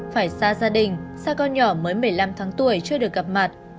phải xa gia đình xa con nhỏ mới một mươi năm tháng tuổi chưa được gặp mặt